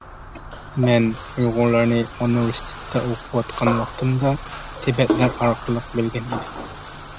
مەن ئۇيغۇرلارنى ئۇنىۋېرسىتېتتا ئوقۇۋاتقان ۋاقتىمدا تىبەتلەر ئارقىلىق بىلگەن ئىدىم.